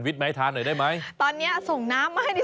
มาให้กับคนต่างมีรายได้กันไม่ต้องมาขอเลย